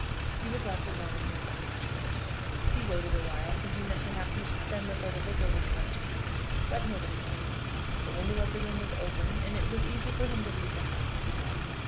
He was left alone, and he must retreat. He waited a while, thinking that perhaps Mrs. Fenwick or the Vicar would come to him; but nobody came. The window of the room was open, and it was easy for him to leave the house by the garden.